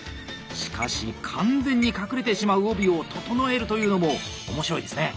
しかし完全に隠れてしまう帯を整えるというのも面白いですね。